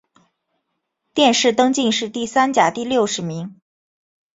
殿试登进士第三甲第六十名。